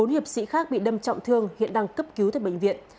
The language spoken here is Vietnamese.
bốn hiệp sĩ khác bị đâm trọng thương hiện đang cấp cứu tại bệnh viện